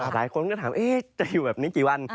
หลายคนก็ถามจะอยู่แบบนี้กี่วัน